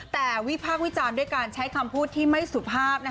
แต่วิพากษ์วิจารณ์ด้วยการใช้คำพูดที่ไม่สุภาพ